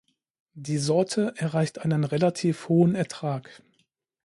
Die Sorte erreicht einen relativ hohen Ertrag.